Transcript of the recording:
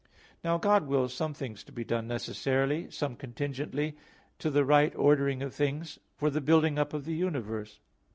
Now God wills some things to be done necessarily, some contingently, to the right ordering of things, for the building up of the universe.